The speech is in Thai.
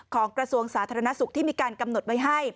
กระทรวงสาธารณสุขที่มีการกำหนดไว้ให้